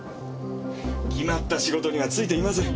決まった仕事には就いていません。